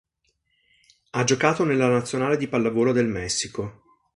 Ha giocato nella nazionale di pallavolo del Messico.